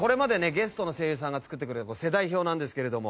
ゲストの声優さんが作ってくれた世代表なんですけれども。